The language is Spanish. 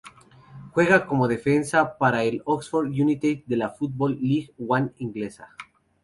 Juega como defensa para el Oxford United de la Football League One inglesa.